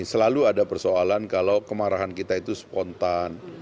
selalu ada persoalan kalau kemarahan kita itu spontan